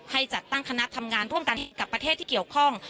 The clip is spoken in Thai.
จัดตั้งคณะทำงานร่วมกันกับประเทศที่เกี่ยวข้อง